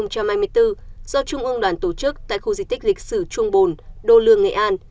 do trung ương đoàn tổ chức tại khu di tích lịch sử trung bồn đô lương nghệ an